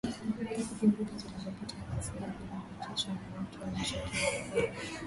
Wiki mbili zilizopita, ghasia zilizochochewa na watu wanaoshukiwa kuwa